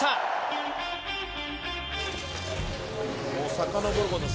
さかのぼること